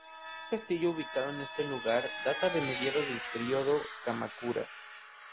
El primer castillo ubicado en este lugar data de mediados del periodo Kamakura.